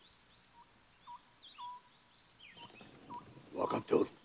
わかっておる。